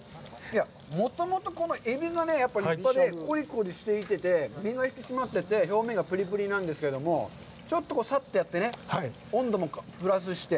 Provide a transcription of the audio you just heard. もともと、このエビがコリコリしていて、身が引き締まってて表面がプリプリなんですけども、ちょっとさっとやってね、温度もプラスして。